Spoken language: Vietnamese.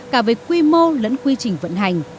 cả về quy mô lẫn quy trình vận hành